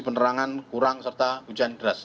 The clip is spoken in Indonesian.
penerangan kurang serta hujan deras